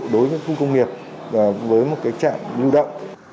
đối với các khu công nghiệp và với một cái trạng lưu động